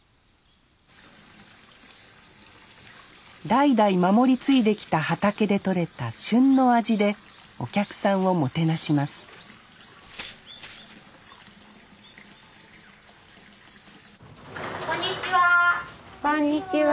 代々守り継いできた畑で取れた旬の味でお客さんをもてなしますこんにちは！